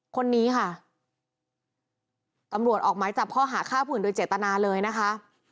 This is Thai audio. คนนี้ค่ะตำรวจออกไม้จับข้อหาฆ่าผู้อื่นโดยเจตนาเลยนะคะ